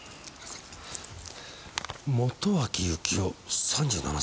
本脇幸生３７歳。